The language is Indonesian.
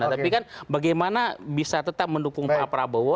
tapi kan bagaimana bisa tetap mendukung pak prabowo